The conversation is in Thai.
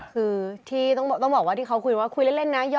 คือที่ต้องบอกว่าที่เขาคุยว่าคุยเล่นนะ